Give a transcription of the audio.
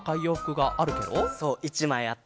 そう１まいあって。